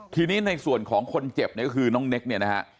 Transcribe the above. ทีนี้ในส่วนของคนเจ็บเนี่ยก็คือน้องเน็กเนี่ยนะฮะ